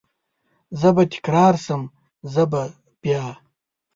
زه به تکرار شم، زه به بیا،